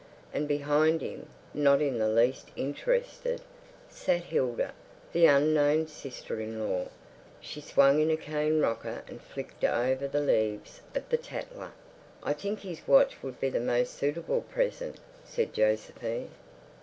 And behind him, not in the least interested, sat Hilda, the unknown sister in law. She swung in a cane rocker and flicked over the leaves of the Tatler. "I think his watch would be the most suitable present," said Josephine.